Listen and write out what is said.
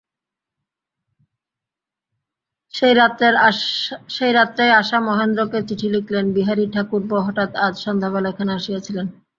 সেই রাত্রেই আশা মহেন্দ্রকে চিঠি লিখিল- বিহারী-ঠাকুরপো হঠাৎ আজ সন্ধ্যাবেলা এখানে আসিয়াছিলেন।